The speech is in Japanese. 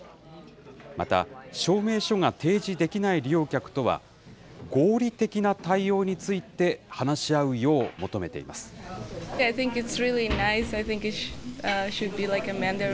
また、証明書が提示できない利用客とは、合理的な対応について話し合うよう求めています。